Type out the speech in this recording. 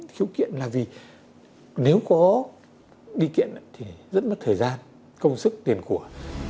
khiếu kiện là vì nếu có đi kiện thì rất mất thời gian công sức tiền của